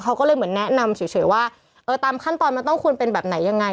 เขาก็เลยเหมือนแนะนำเฉยว่าเออตามขั้นตอนมันต้องควรเป็นแบบไหนยังไง